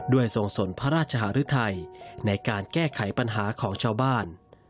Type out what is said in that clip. ทรงสนพระราชหารุทัยในการแก้ไขปัญหาของชาวบ้าน